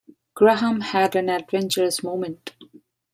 Graham had an adventurous moment.